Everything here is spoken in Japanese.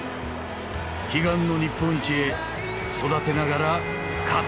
悲願の日本一へ育てながら勝つ。